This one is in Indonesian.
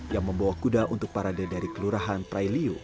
yang membawa kuda untuk parade dari kelurahan prailiu